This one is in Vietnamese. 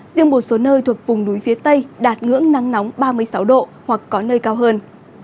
riêng một số nơi thuộc vùng núi phía tây đạt ngưỡng nắng nóng ba mươi sáu độ hoặc có nơi cao hơn